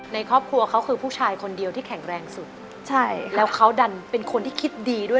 ในครอบครัวเขาคือผู้ชายคนเดียวที่แข็งแรงสุดใช่แล้วเขาดันเป็นคนที่คิดดีด้วย